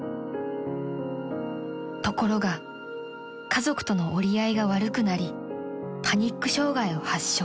［ところが家族との折り合いが悪くなりパニック障害を発症］